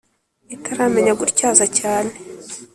itaramenya gutyaza cyane